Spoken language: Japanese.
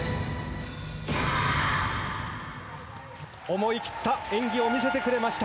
思い切った演技を見せてくれました。